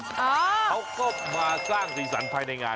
เขาก็มาสร้างสินสรรพัยในงาน